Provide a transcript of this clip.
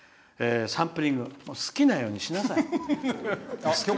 サンプリング好きなようにしなさい。